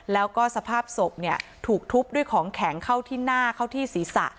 แล้วก็สภาพศพถูกทุบด้วยของแข็งเข้าที่หน้าเข้าที่ศีรษะ